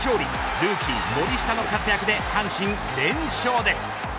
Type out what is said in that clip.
ルーキー森下の活躍で阪神連勝です。